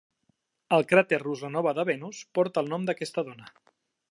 El cràter Ruslanova de Venus porta el nom d'aquesta dona.